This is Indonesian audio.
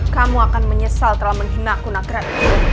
kamu akan menyesal telah menhenakku nagraj